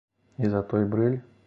І за той брыль?